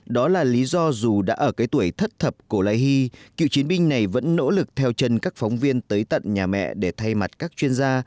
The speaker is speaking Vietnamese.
đó là lý do dù đã ở cái tuổi thất thập cổ lai hy cựu chiến binh này vẫn nỗ lực theo chân các phóng viên tới tận nhà mẹ để thay mặt các chuyên gia